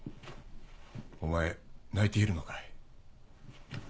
お前泣いているのかい。